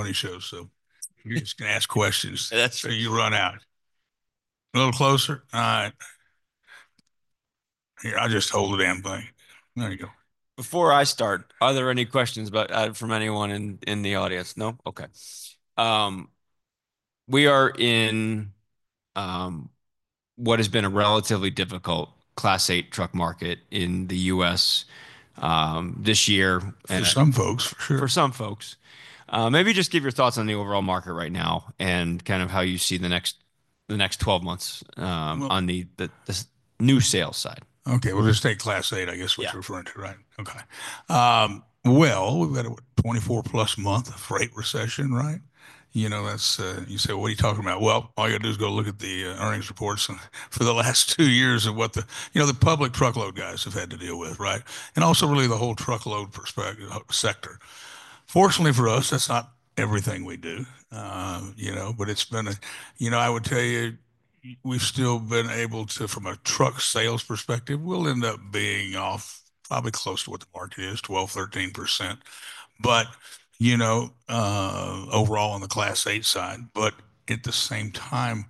Bunny show, so you're just going to ask questions. That's true. So you run out. A little closer. All right. Here, I'll just hold the damn thing. There you go. Before I start, are there any questions from anyone in the audience? No? Okay. We are in what has been a relatively difficult Class 8 truck market in the U.S. this year. For some folks, for sure. For some folks. Maybe just give your thoughts on the overall market right now and kind of how you see the next 12 months on the new sales side. Okay. We'll just take Class 8, I guess, what you're referring to, right? Okay. Well, we've got a 24-plus month of freight recession, right? You say, "What are you talking about?" Well, all you got to do is go look at the earnings reports for the last two years of what the public truckload guys have had to deal with, right? And also really the whole truckload sector. Fortunately for us, that's not everything we do, but it's been a. I would tell you, we've still been able to, from a truck sales perspective, we'll end up being off probably close to what the market is, 12%-13%, but overall on the Class 8 side. But at the same time,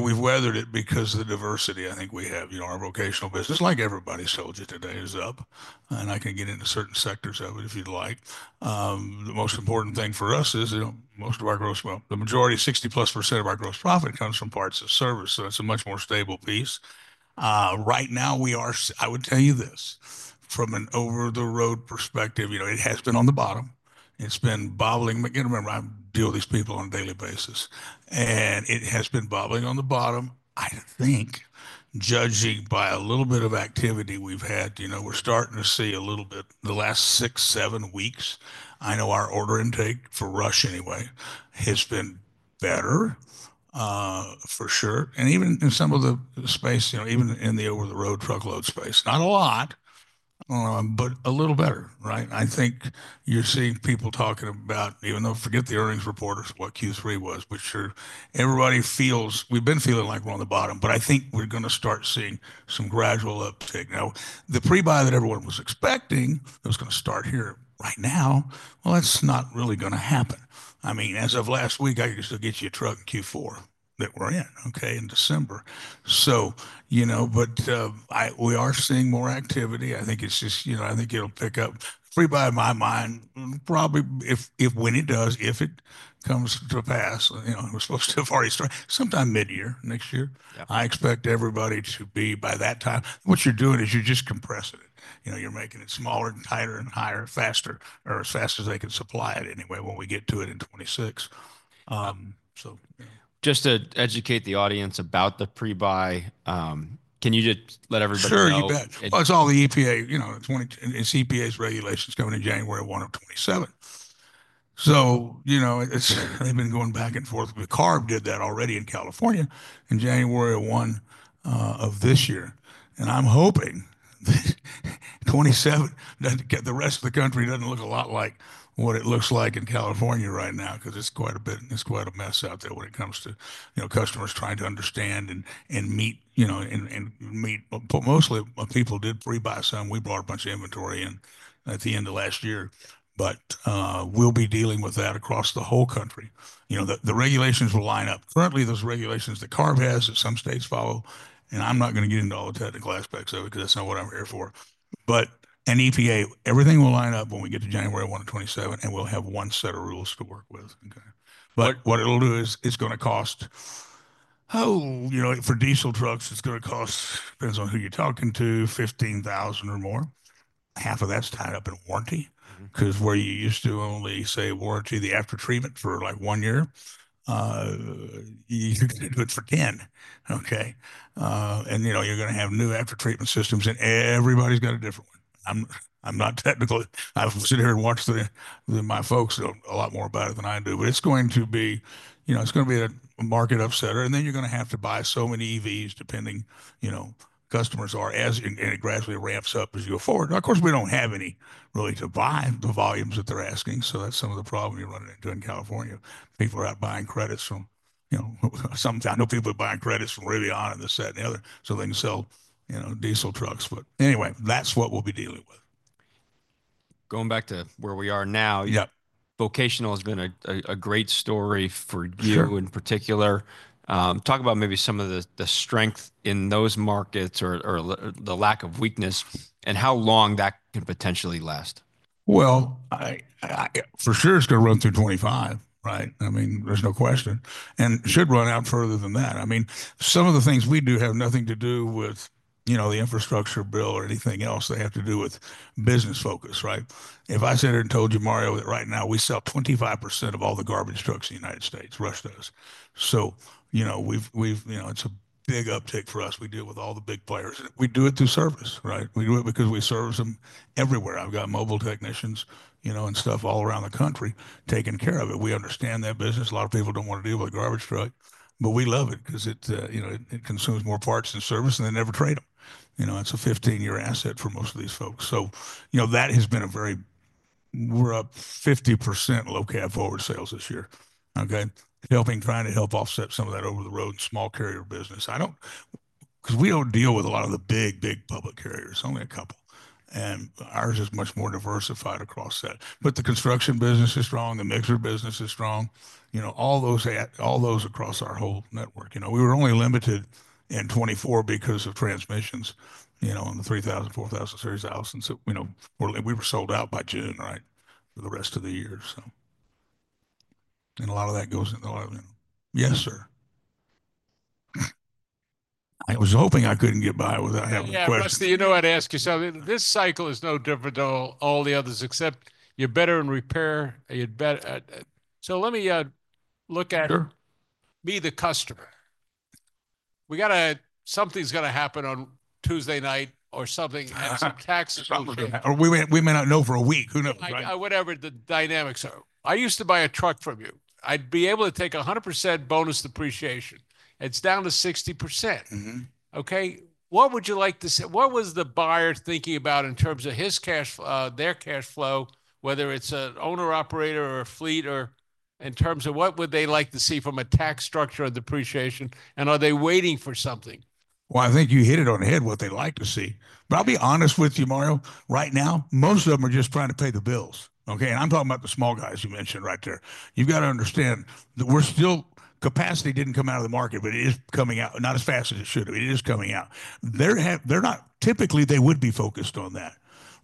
we've weathered it because of the diversity I think we have. Our vocational business, like everybody's told you today, is up, and I can get into certain sectors of it if you'd like. The most important thing for us is most of our gross, well, the majority, 60-plus% of our gross profit comes from parts and service, so that's a much more stable piece. Right now, we are. I would tell you this, from an over-the-road perspective, it has been on the bottom. It's been bobbing, remember, I deal with these people on a daily basis, and it has been bobbing on the bottom. I think, judging by a little bit of activity we've had, we're starting to see a little bit the last six, seven weeks. I know our order intake, for Rush anyway, has been better, for sure. And even in some of the space, even in the over-the-road truckload space, not a lot, but a little better, right? I think you're seeing people talking about, even though forget the earnings report or what Q3 was, but sure, everybody feels we've been feeling like we're on the bottom, but I think we're going to start seeing some gradual uptake. Now, the pre-buy that everyone was expecting that was going to start here right now, well, that's not really going to happen. I mean, as of last week, I could still get you a truck in Q4 that we're in, okay, in December. But we are seeing more activity. I think it's just, I think it'll pick up. Pre-buy, in my mind, probably if, when it does, if it comes to pass, we're supposed to have already started sometime mid-year next year. I expect everybody to be by that time. What you're doing is you're just compressing it. You're making it smaller and tighter and higher and faster or as fast as they can supply it anyway when we get to it in 2026. So. Just to educate the audience about the pre-buy, can you just let everybody know? Sure, you bet. It's all the EPA, it's EPA's regulations coming in January 1, 2027. They've been going back and forth. CARB did that already in California in January 1 of this year. I'm hoping 2027, the rest of the country doesn't look a lot like what it looks like in California right now because it's quite a bit, it's quite a bit of a mess out there when it comes to customers trying to understand and meet, and meet mostly people did pre-buy some. We brought a bunch of inventory in at the end of last year. We'll be dealing with that across the whole country. The regulations will line up. Currently, those regulations that CARB has that some states follow, and I'm not going to get into all the technical aspects of it because that's not what I'm here for, but the EPA, everything will line up when we get to January 1 of 2027, and we'll have one set of rules to work with. But what it'll do is it's going to cost, oh, for diesel trucks, it's going to cost, depends on who you're talking to, 15,000 or more. Half of that's tied up in warranty because where you used to only say warranty the aftertreatment for like one year, you can do it for 10, okay? And you're going to have new aftertreatment systems, and everybody's got a different one. I'm not technical. I'll sit here and watch my folks know a lot more about it than I do. It's going to be a market upsetter. And then you're going to have to buy so many EVs depending on how customers are as it gradually ramps up as you go forward. Of course, we don't have any really to buy the volumes that they're asking. So that's some of the problem you're running into in California. People are out buying credits from, sometimes people are buying credits from Rivian and this that and the other, so they can sell diesel trucks. But anyway, that's what we'll be dealing with. Going back to where we are now, vocational has been a great story for you in particular. Talk about maybe some of the strength in those markets or the lack of weakness and how long that can potentially last. For sure, it's going to run through 2025, right? I mean, there's no question, and should run out further than that. I mean, some of the things we do have nothing to do with the infrastructure bill or anything else. They have to do with business focus, right? If I sat here and told you, Mario, that right now we sell 25% of all the garbage trucks in the United States, Rush does. So it's a big upside for us. We deal with all the big players. We do it through service, right? We do it because we service them everywhere. I've got mobile technicians and stuff all around the country taking care of it. We understand their business. A lot of people don't want to deal with a garbage truck, but we love it because it consumes more parts and service and they never trade them. It's a 15-year asset for most of these folks. So that has been a very, we're up 50% Low Cab Forward sales this year, okay? Trying to help offset some of that over-the-road and small carrier business. Because we don't deal with a lot of the big, big public carriers. Only a couple, and ours is much more diversified across that, but the construction business is strong. The mixer business is strong. All those across our whole network. We were only limited in 2024 because of transmissions on the 3,000, 4,000, 3,000. We were sold out by June, right, for the rest of the year, so. And a lot of that goes into, yes, sir. I was hoping I couldn't get by without having a question. Yeah. You know what? I'd ask you. So this cycle is no different to all the others except you're better in repair. So let me look at. Sure. Be the customer. Something's going to happen on Tuesday night or something and some tax issues. Or we may not know for a week. Who knows? Whatever the dynamics are. I used to buy a truck from you. I'd be able to take 100% Bonus Depreciation. It's down to 60%. Okay? What would you like to see? What was the buyer thinking about in terms of their cash flow, whether it's an owner-operator or a fleet, or in terms of what would they like to see from a tax structure or depreciation, and are they waiting for something? I think you hit it on the head, what they'd like to see. But I'll be honest with you, Mario, right now, most of them are just trying to pay the bills, okay? And I'm talking about the small guys you mentioned right there. You've got to understand that we're still. Capacity didn't come out of the market, but it is coming out. Not as fast as it should. It is coming out. Typically, they would be focused on that.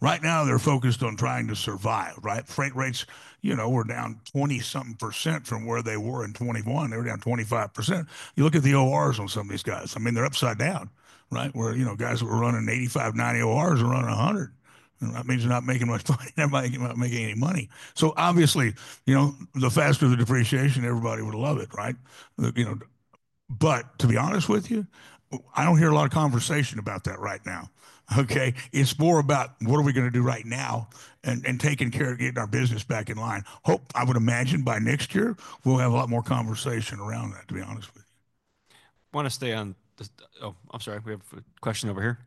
Right now, they're focused on trying to survive, right? Freight rates were down 20-something% from where they were in 2021. They were down 25%. You look at the ORs on some of these guys. I mean, they're upside down, right? Where guys that were running 85, 90 ORs are running 100. That means they're not making much money. They're not making any money. So obviously, the faster the depreciation, everybody would love it, right? But to be honest with you, I don't hear a lot of conversation about that right now, okay? It's more about what are we going to do right now and taking care of getting our business back in line. I would imagine by next year, we'll have a lot more conversation around that, to be honest with you. Oh, I'm sorry. We have a question over here.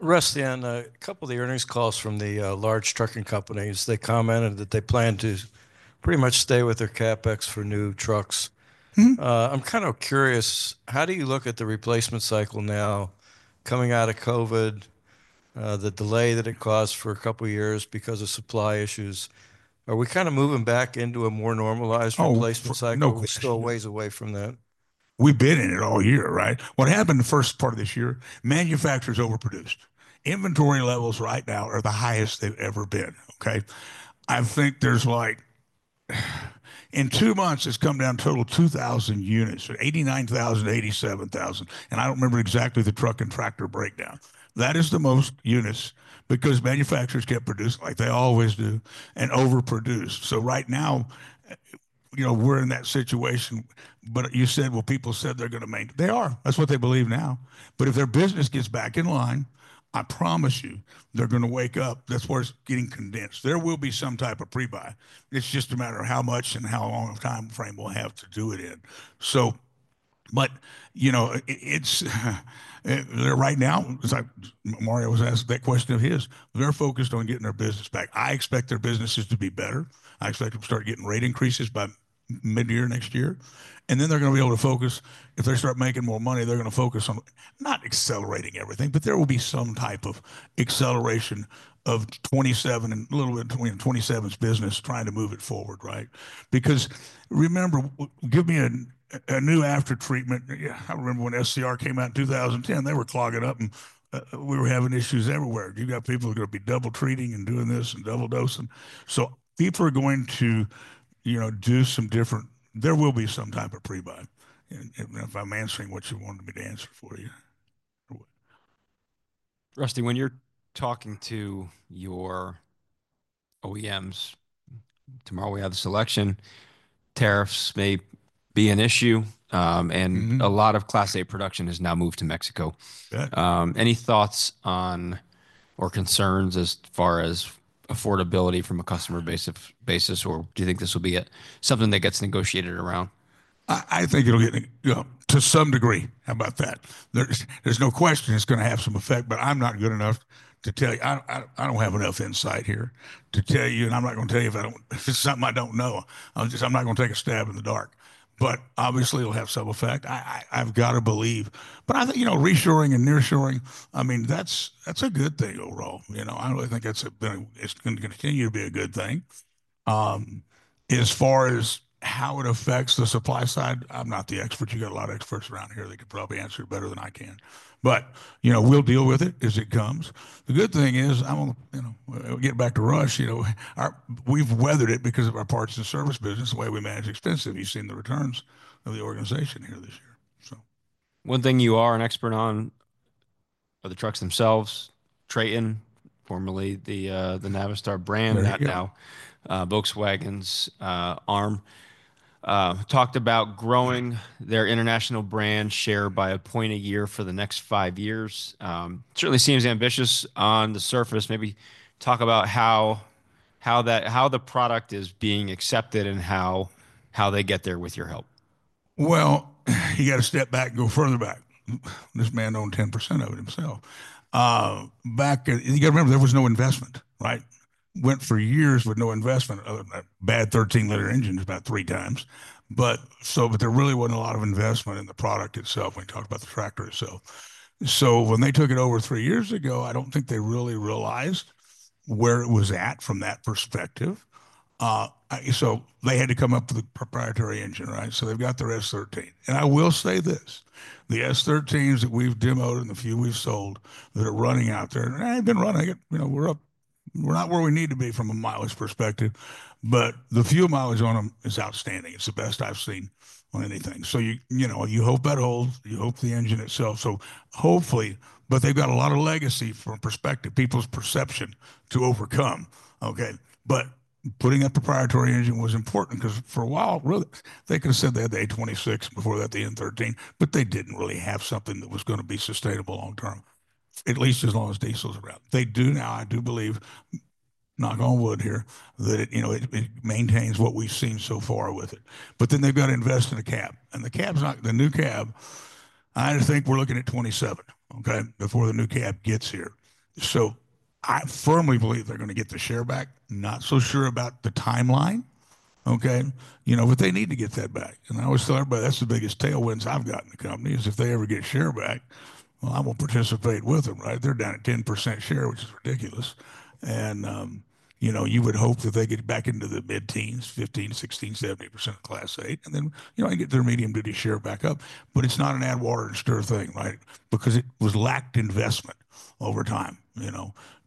Rush, then a couple of the earnings calls from the large trucking companies, they commented that they plan to pretty much stay with their CapEx for new trucks. I'm kind of curious, how do you look at the replacement cycle now coming out of COVID, the delay that it caused for a couple of years because of supply issues? Are we kind of moving back into a more normalized replacement cycle? No. But still ways away from that? We've been in it all year, right? What happened the first part of this year, manufacturers overproduced. Inventory levels right now are the highest they've ever been, okay? I think there's like, in two months, it's come down a total of 2,000 units, so 89,000, 87,000, and I don't remember exactly the truck and tractor breakdown. That is the most units because manufacturers kept producing like they always do and overproduced, so right now, we're in that situation, but you said, well, people said they're going to maintain—they are. That's what they believe now, but if their business gets back in line, I promise you, they're going to wake up. That's where it's getting condensed. There will be some type of pre-buy. It's just a matter of how much and how long a timeframe we'll have to do it in. But right now, as Mario was asking that question of his, they're focused on getting their business back. I expect their businesses to be better. I expect them to start getting rate increases by mid-year next year. And then they're going to be able to focus, if they start making more money, they're going to focus on not accelerating everything, but there will be some type of acceleration of 2027 and a little bit of 2027's business trying to move it forward, right? Because remember, give me a new after treatment. I remember when SCR came out in 2010, they were clogging up, and we were having issues everywhere. You've got people who are going to be double treating and doing this and double dosing. So people are going to do some different. There will be some type of pre-buy. If I'm answering what you wanted me to answer for you. Rusty, when you're talking to your OEMs, tomorrow we have the election. Tariffs may be an issue, and a lot of Class 8 production has now moved to Mexico. Any thoughts on or concerns as far as affordability from a customer basis, or do you think this will be something that gets negotiated around? I think it'll get to some degree. How about that? There's no question it's going to have some effect, but I'm not good enough to tell you. I don't have enough insight here to tell you, and I'm not going to tell you if it's something I don't know. I'm not going to take a stab in the dark. But obviously, it'll have some effect. I've got to believe. But I think reshoring and nearshoring, I mean, that's a good thing overall. I really think it's going to continue to be a good thing. As far as how it affects the supply side, I'm not the expert. You've got a lot of experts around here. They could probably answer it better than I can. But we'll deal with it as it comes. The good thing is, I'm going to get back to Rush. We've weathered it because of our parts and service business, the way we manage expenses. You've seen the returns of the organization here this year, so. One thing you are an expert on are the trucks themselves, TRATON, formerly the Navistar brand, not now Volkswagen's arm. Talked about growing their International brand share by a point a year for the next five years. Certainly seems ambitious on the surface. Maybe talk about how the product is being accepted and how they get there with your help. You got to step back and go further back. This man owned 10% of it himself. You got to remember, there was no investment, right? Went for years with no investment other than a bad 13-liter engine about three times. But there really wasn't a lot of investment in the product itself when you talk about the tractor itself. When they took it over three years ago, I don't think they really realized where it was at from that perspective. They had to come up with a proprietary engine, right? They've got their S13. And I will say this, the S13s that we've demoed and the few we've sold that are running out there, and they've been running. We're not where we need to be from a mileage perspective, but the fuel mileage on them is outstanding. It's the best I've seen on anything. So you hope that holds. You hope the engine itself. So hopefully, but they've got a lot of legacy from perspective, people's perception to overcome, okay? But putting a proprietary engine was important because for a while, really, they could have said they had the A26 and before that, the N13, but they didn't really have something that was going to be sustainable long-term, at least as long as diesels are out. They do now, I do believe, knock on wood here, that it maintains what we've seen so far with it. But then they've got to invest in a cab. And the new cab, I think we're looking at 2027, okay, before the new cab gets here. So I firmly believe they're going to get the share back. Not so sure about the timeline, okay? But they need to get that back. And I always tell everybody, that's the biggest tailwinds I've got in the company is if they ever get share back. Well, I won't participate with them, right? They're down at 10% share, which is ridiculous. And you would hope that they get back into the mid-teens, 15%, 16%, 70% of Class 8, and then I get their medium-duty share back up. But it's not an add water and stir thing, right? Because it was lacked investment over time.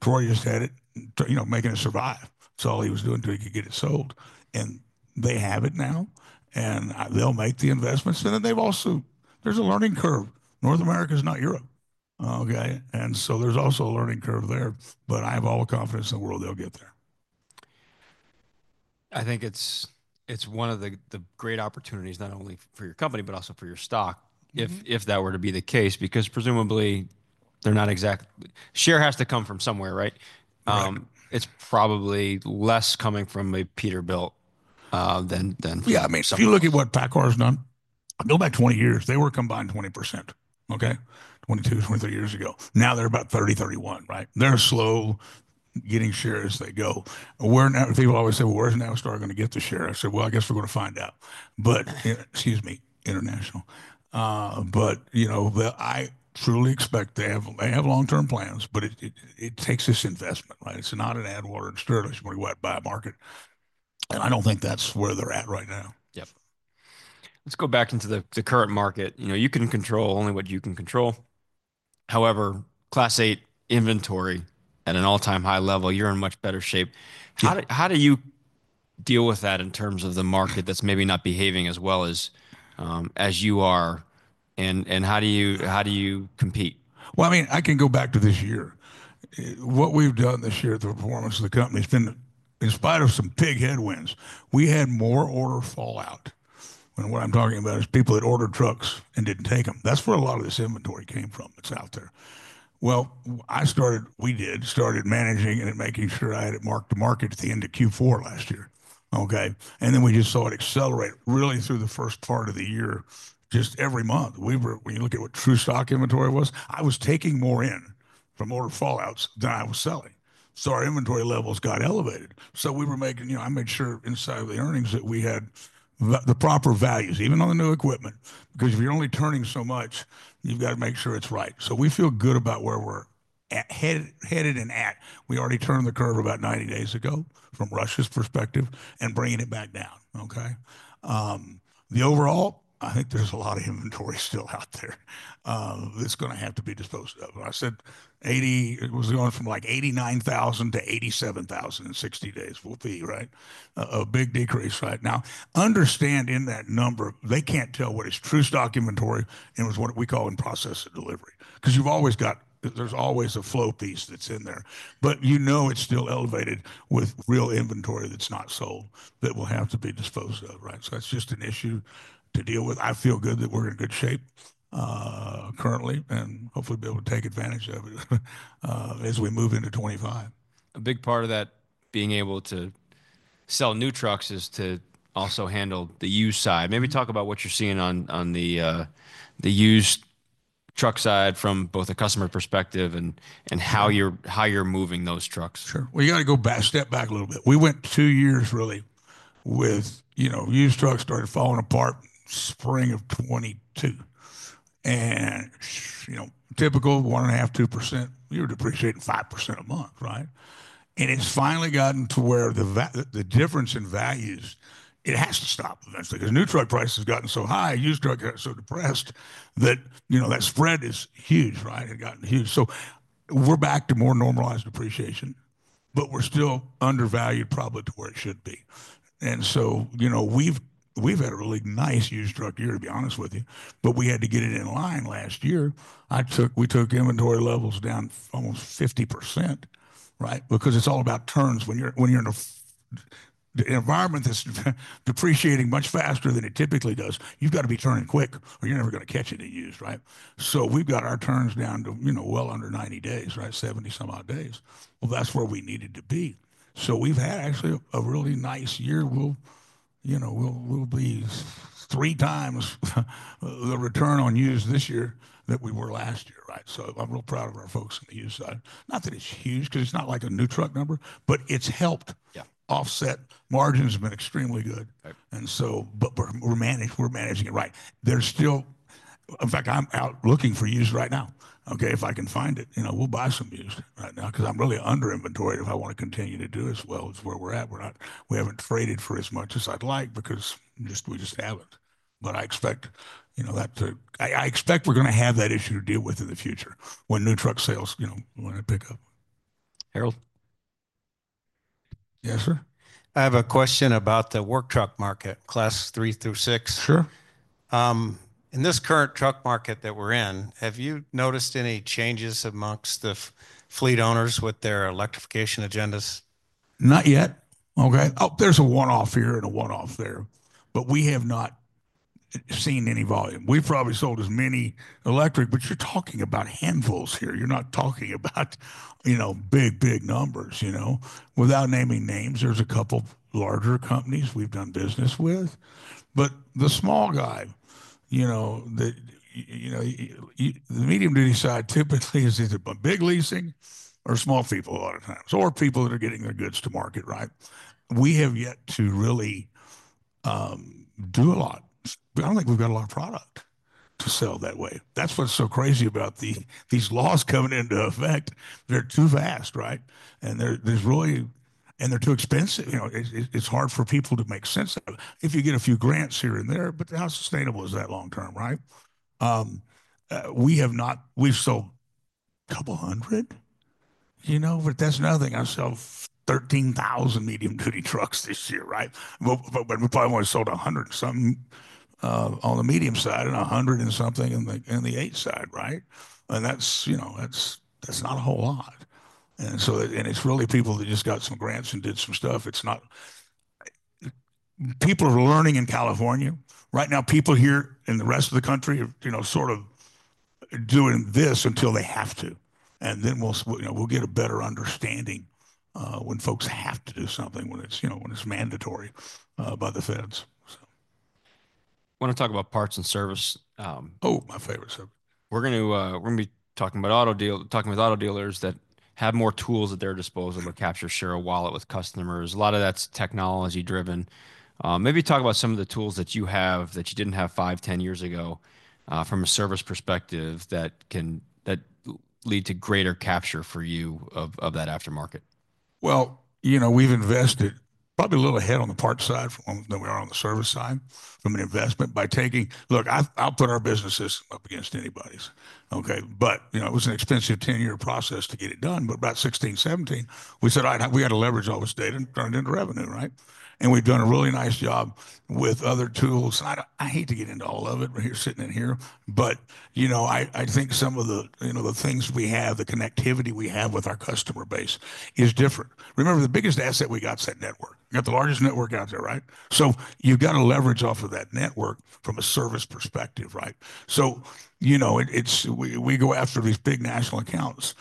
Troy just had it making it survive. That's all he was doing until he could get it sold. And they have it now, and they'll make the investments. And then there's a learning curve. North America is not Europe, okay? And so there's also a learning curve there. But I have all the confidence in the world they'll get there. I think it's one of the great opportunities, not only for your company, but also for your stock, if that were to be the case, because presumably they're not exactly, share has to come from somewhere, right? It's probably less coming from a Peterbilt than from. Yeah, I mean, if you look at what PACCAR has done, go back 20 years, they were combined 20%, okay? 22-23 years ago. Now they're about 30%-31%, right? They're slow getting share as they go. People always say, "Well, where's Navistar going to get the share?" I said, "Well, I guess we're going to find out." But excuse me, International. But I truly expect they have long-term plans, but it takes this investment, right? It's not an add water and stir. This money buys a market. And I don't think that's where they're at right now. Yep. Let's go back into the current market. You can control only what you can control. However, Class 8 inventory at an all-time high level, you're in much better shape. How do you deal with that in terms of the market that's maybe not behaving as well as you are? And how do you compete? Well, I mean, I can go back to this year. What we've done this year at the performance of the company has been in spite of some big headwinds. We had more order fallout. And what I'm talking about is people that ordered trucks and didn't take them. That's where a lot of this inventory came from. It's out there. Well, we did start managing and making sure I had it marked to market at the end of Q4 last year, okay? And then we just saw it accelerate really through the first part of the year, just every month. When you look at what true stock inventory was, I was taking more in from order fallouts than I was selling. So our inventory levels got elevated. We were making. I made sure inside of the earnings that we had the proper values, even on the new equipment, because if you're only turning so much, you've got to make sure it's right. We feel good about where we're headed and at. We already turned the curve about 90 days ago from Rush's perspective and bringing it back down, okay? Overall, I think there's a lot of inventory still out there that's going to have to be disposed of. I said it was going from like 89,000 to 87,000 in 60 days. We'll be, right? A big decrease, right? Now, understand in that number, they can't tell what is true stock inventory and what we call in process of delivery. Because there's always a flow piece that's in there. But you know it's still elevated with real inventory that's not sold that will have to be disposed of, right? So that's just an issue to deal with. I feel good that we're in good shape currently and hopefully be able to take advantage of it as we move into 2025. A big part of that being able to sell new trucks is to also handle the used side. Maybe talk about what you're seeing on the used truck side from both a customer perspective and how you're moving those trucks. Sure. Well, you got to go back, step back a little bit. We went two years really with used trucks started falling apart spring of 2022. And typical 1.5-2%, you're depreciating 5% a month, right? And it's finally gotten to where the difference in values, it has to stop eventually. Because new truck prices have gotten so high, used truck got so depressed that that spread is huge, right? It got huge. So we're back to more normalized depreciation, but we're still undervalued probably to where it should be. And so we've had a really nice used truck year, to be honest with you. But we had to get it in line last year. We took inventory levels down almost 50%, right? Because it's all about turns. When you're in an environment that's depreciating much faster than it typically does, you've got to be turning quick or you're never going to catch it in used, right? So we've got our turns down to well under 90 days, right? 70-some-odd days. Well, that's where we needed to be. So we've had actually a really nice year. We'll be three times the return on used this year that we were last year, right? So I'm real proud of our folks on the used side. Not that it's huge because it's not like a new truck number, but it's helped offset. Margins have been extremely good. And so, but we're managing it right. There's still, in fact, I'm out looking for used right now, okay? If I can find it, we'll buy some used right now because I'm really under-inventoried if I want to continue to do as well as where we're at. We haven't traded for as much as I'd like because we just haven't, but I expect we're going to have that issue to deal with in the future when new truck sales want to pick up. Harold. Yes, sir? I have a question about the work truck market, Class 3 through 6. Sure. In this current truck market that we're in, have you noticed any changes amongst the fleet owners with their electrification agendas? Not yet, okay? There's a one-off here and a one-off there. But we have not seen any volume. We've probably sold as many electric, but you're talking about handfuls here. You're not talking about big, big numbers. Without naming names, there's a couple larger companies we've done business with. But the small guy, the medium-duty side typically is either a big leasing or small people a lot of times, or people that are getting their goods to market, right? We have yet to really do a lot. I don't think we've got a lot of product to sell that way. That's what's so crazy about these laws coming into effect. They're too fast, right? And they're too expensive. It's hard for people to make sense of it. If you get a few grants here and there, but how sustainable is that long-term, right? We've sold a couple hundred. That's nothing. I've sold 13,000 medium-duty trucks this year, right? We probably only sold 100 and something on the medium side and 100 and something on the 8 side, right? That's not a whole lot. It's really people that just got some grants and did some stuff. People are learning in California. Right now, people here in the rest of the country are sort of doing this until they have to. Then we'll get a better understanding when folks have to do something, when it's mandatory by the feds, so. Want to talk about parts and service. Oh, my favorite service. We're going to be talking about auto dealers that have more tools at their disposal to capture share of wallet with customers. A lot of that's technology-driven. Maybe talk about some of the tools that you have that you didn't have five, 10 years ago from a service perspective that can lead to greater capture for you of that aftermarket. We've invested probably a little ahead on the parts side than we are on the service side from an investment, by taking. Look, I'll put our business system up against anybody's, okay? But it was an expensive 10-year process to get it done. But about 2016, 2017, we said, "All right, we got to leverage all this data and turn it into revenue," right? And we've done a really nice job with other tools. And I hate to get into all of it when you're sitting in here. But I think some of the things we have, the connectivity we have with our customer base is different. Remember, the biggest asset we got is that network. We got the largest network out there, right? So you've got to leverage off of that network from a service perspective, right? So we go after these big national accounts.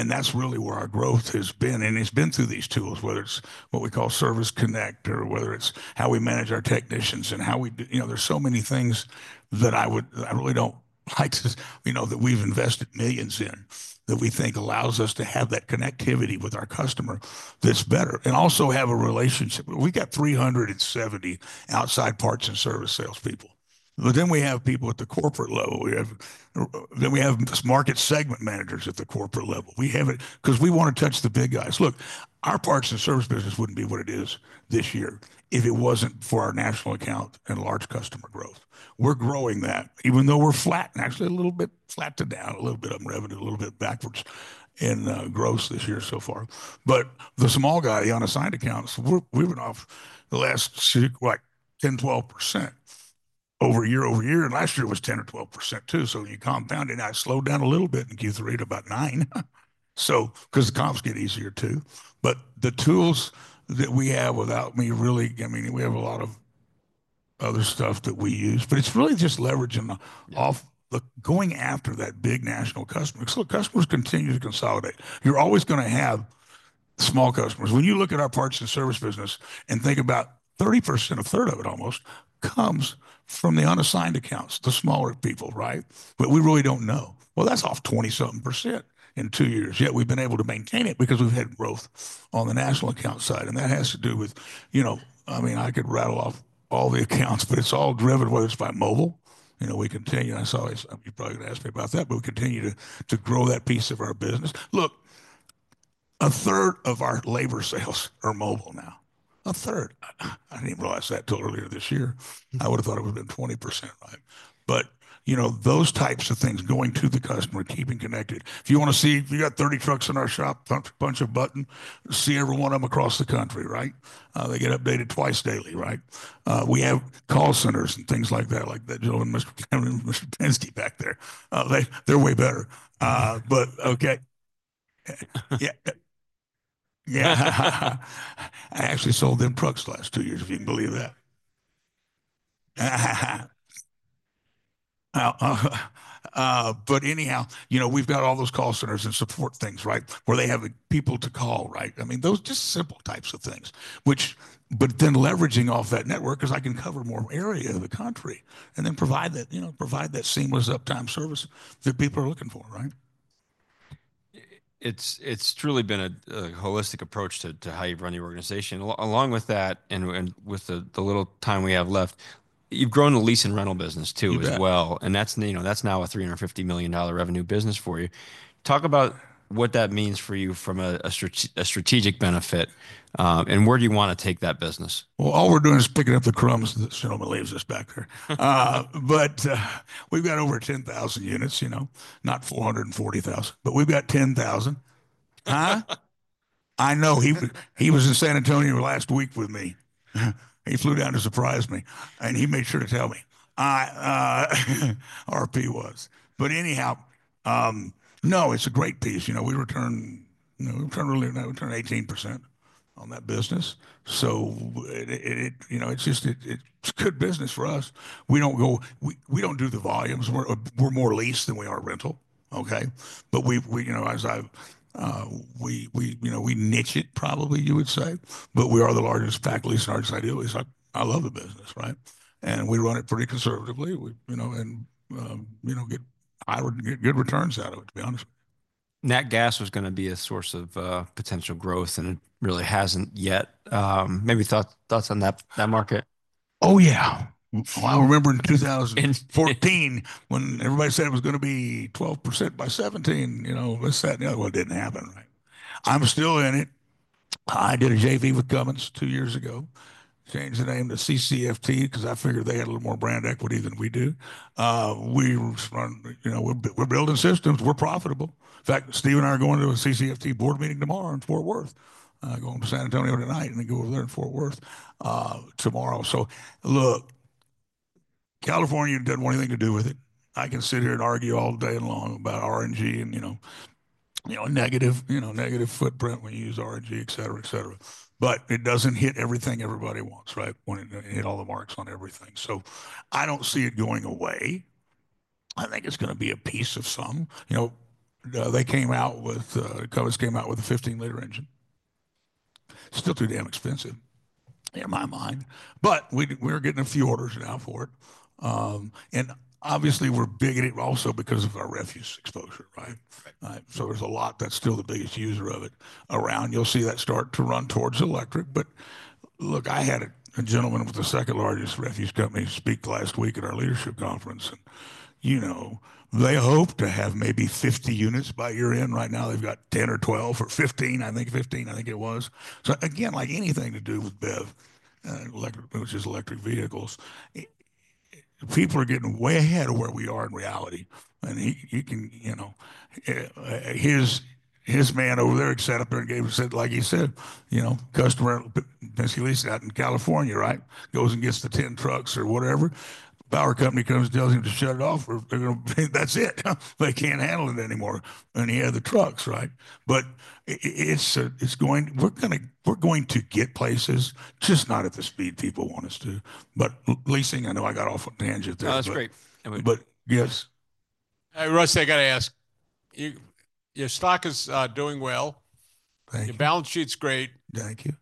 That's really where our growth has been. It's been through these tools, whether it's what we call Service Connect or whether it's how we manage our technicians and how we, there's so many things that I really like that we've invested millions in that we think allows us to have that connectivity with our customer that's better and also have a relationship. We've got 370 outside parts and service salespeople. Then we have people at the corporate level and this market segment managers at the corporate level. Because we want to touch the big guys. Look, our parts and service business wouldn't be what it is this year if it wasn't for our national account and large customer growth. We're growing that, even though we're flat, actually a little bit flat to down, a little bit up in revenue, a little bit backwards in growth this year so far, but the small guy, the unassigned accounts, we've been off the last 10-12% year over year. And last year it was 10 or 12% too. So when you compound it, I slowed down a little bit in Q3 to about 9%. Because the comps get easier too, but the tools that we have without me really. I mean, we have a lot of other stuff that we use. But it's really just leveraging off the going after that big national customer. Because look, customers continue to consolidate. You're always going to have small customers. When you look at our parts and service business and think about 30%, a third of it almost, comes from the unassigned accounts, the smaller people, right? But we really don't know. Well, that's off 20-something% in two years. Yet we've been able to maintain it because we've had growth on the national account side. And that has to do with, I mean, I could rattle off all the accounts, but it's all driven, whether it's by mobile. We continue, I saw you probably going to ask me about that, but we continue to grow that piece of our business. Look, a third of our labor sales are mobile now. A third. I didn't even realize that till earlier this year. I would have thought it would have been 20%, right? But those types of things, going to the customer, keeping connected. If you want to see, if you got 30 trucks in our shop, punch a button, see every one of them across the country, right? They get updated twice daily, right? We have call centers and things like that, like Mr. Penske back there. They're way better. But okay. Yeah. Yeah. I actually sold them trucks the last two years, if you can believe that. But anyhow, we've got all those call centers and support things, right? Where they have people to call, right? I mean, those just simple types of things. But then leveraging off that network because I can cover more area of the country and then provide that seamless uptime service that people are looking for, right? It's truly been a holistic approach to how you run your organization. Along with that, and with the little time we have left, you've grown the lease and rental business too as well. And that's now a $350 million revenue business for you. Talk about what that means for you from a strategic benefit. And where do you want to take that business? Well, all we're doing is picking up the crumbs that this gentleman leaves us back there. But we've got over 10,000 units, not 440,000. But we've got 10,000. Huh? I know. He was in San Antonio last week with me. He flew down to surprise me. And he made sure to tell me. RP was. But anyhow, no, it's a great piece. We returned 18% on that business. So it's just good business for us. We don't do the volumes. We're more leasing than we are rental, okay? But as I—we niche it, probably, you would say. But we are the largest factories and largest Idealease. I love the business, right? And we run it pretty conservatively and get good returns out of it, to be honest. Nat Gas was going to be a source of potential growth and it really hasn't yet. Maybe thoughts on that market? Oh, yeah. Well, I remember in 2014 when everybody said it was going to be 12% by 2017. You know, it sat there. Well, it didn't happen, right? I'm still in it. I did a JV with Cummins two years ago. Changed the name to CCFT because I figured they had a little more brand equity than we do. We're building systems. We're profitable. In fact, Steve and I are going to a CCFT board meeting tomorrow in Fort Worth. Going to San Antonio tonight and then go over there in Fort Worth tomorrow. So look, California didn't want anything to do with it. I can sit here and argue all day long about RNG and negative footprint when you use RNG, etc., etc. But it doesn't hit everything everybody wants, right? It didn't hit all the marks on everything. So I don't see it going away. I think it's going to be a piece of some. They came out with, Cummins came out with a 15-liter engine. Still too damn expensive in my mind. But we're getting a few orders now for it. And obviously, we're big at it also because of our refuse exposure, right? So there's a lot that's still the biggest user of it around. You'll see that start to run towards electric. But look, I had a gentleman with the second largest refuse company speak last week at our leadership conference. And they hope to have maybe 50 units by year-end. Right now, they've got 10 or 12 or 15, I think 15, I think it was. So again, like anything to do with BEV, which is electric vehicles, people are getting way ahead of where we are in reality. His man over there had sat up there and gave us, like he said, customer Penske Lease out in California, right? Goes and gets the 10 trucks or whatever. Power company comes and tells him to shut it off, or that's it. They can't handle it anymore. And he had the trucks, right? But we're going to get places, just not at the speed people want us to. But leasing, I know I got off on a tangent there. Oh, that's great. But yes. Hey, Rush, I got to ask. Your stock is doing well. Thank you. Your balance sheet's great. Thank you.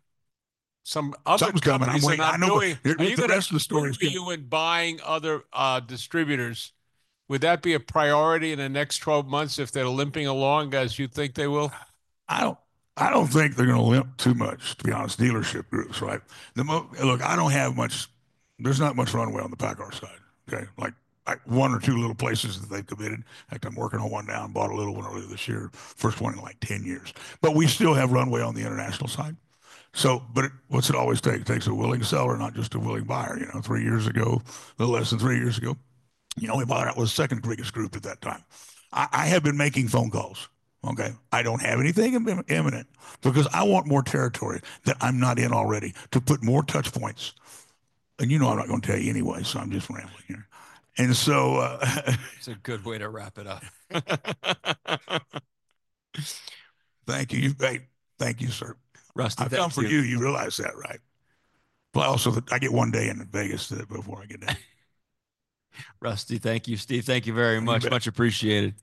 Some other. Something's coming. I'm saying I know. Are you going to buy other distributors? Would that be a priority in the next 12 months if they're limping along as you think they will? I don't think they're going to limp too much, to be honest, dealership groups, right? Look, I don't have much. There's not much runway on the PACCAR side, okay? Like one or two little places that they committed. In fact, I'm working on one now. I bought a little one earlier this year. First one in like 10 years. But we still have runway on the international side. But what's it always take? It takes a willing seller, not just a willing buyer. Three years ago, a little less than three years ago, the only buyer that was the second largest group at that time. I have been making phone calls, okay? I don't have anything imminent because I want more territory that I'm not in already to put more touchpoints. And you know I'm not going to tell you anyway, so I'm just rambling here. And so. It's a good way to wrap it up. Thank you. Thank you, sir. Rusty, that's it. I'm down for you. You realize that, right? But also, I get one day in Vegas before I get out. Rusty, thank you. Steve, thank you very much. Much appreciated.